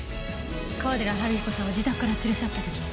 川寺治彦さんを自宅から連れ去った時。